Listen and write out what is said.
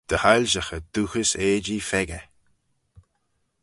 Dy hoilshaghey dooghys eajee pheccah.